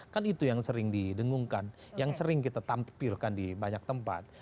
kan itu yang sering didengungkan yang sering kita tampilkan di banyak tempat